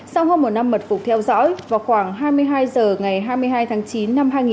sau hơn một năm mật phục theo dõi vào khoảng hai mươi hai giờ ngày hai mươi hai tháng chín